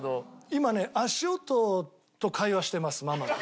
今ね足音と会話してますママの。